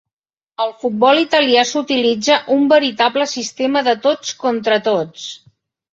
Al futbol italià, s'utilitza un veritable sistema de tots contra tots.